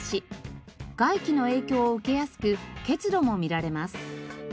外気の影響を受けやすく結露も見られます。